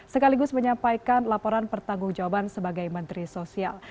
sekaligus menyampaikan laporan pertanggung jawaban sebagai menteri sosial